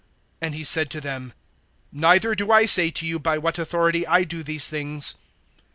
And he said to them: Neither do I say to you, by what authority I do these things.